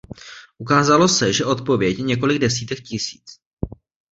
Ukázalo se, že odpověď je několik desítek tisíc.